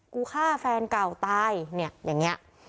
กูฆ่าแฟนเก่าตายเนี่ยอย่างนี้